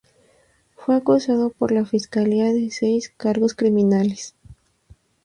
Fue acusado por la fiscalía de seis cargos criminales.